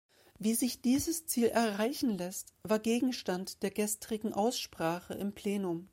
Wie sich dieses Ziel erreichen lässt, war Gegenstand der gestrigen Aussprache im Plenum.